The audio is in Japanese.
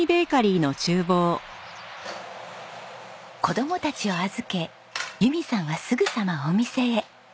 子供たちを預け友美さんはすぐさまお店へ。